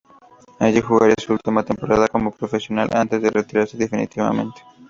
Allí jugaría su última temporada como profesional, antes de retirarse definitivamente.